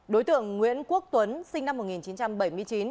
đối tượng nguyễn quốc tuấn sinh năm một nghìn chín trăm bảy mươi chín